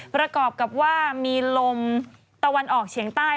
ประกอบกับว่ามีลมตะวันออกเฉียงใต้